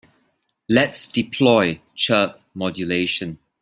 Let's deploy chirp modulation.